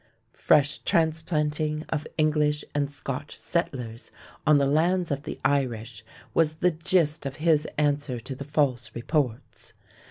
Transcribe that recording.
Fresh "transplanting" of English and Scotch settlers on the lands of the Irish was the gist of his answer to the "false reports."